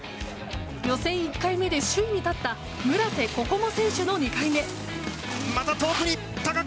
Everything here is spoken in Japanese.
予選１回目で首位に立った村瀬心椛選手の２回目。